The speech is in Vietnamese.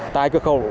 tài cược khẩu